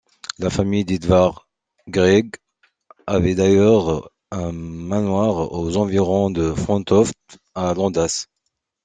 La famille d'Edvard Grieg avait d'ailleurs un manoir aux environs de Fantoft, à Landås.